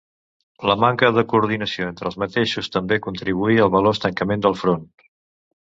La manca de coordinació entre els mateixos també contribuí al veloç tancament del front.